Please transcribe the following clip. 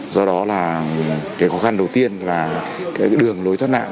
do đó là cái khó khăn đầu tiên là cái đường lối thoát nạn